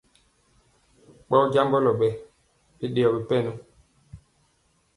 Ɓɔɔ nyimbɔlɔ ɓee biɗeyɔ bipɛnɔ.